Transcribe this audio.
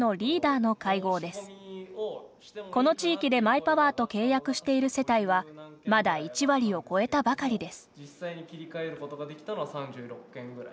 この地域でマイパワーと契約している世帯はまだ１割を超えたばかりです。